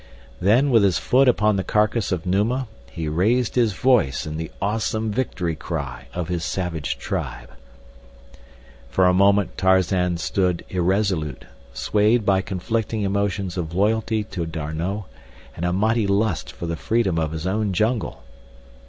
Then with his foot upon the carcass of Numa, he raised his voice in the awesome victory cry of his savage tribe. For a moment Tarzan stood irresolute, swayed by conflicting emotions of loyalty to D'Arnot and a mighty lust for the freedom of his own jungle.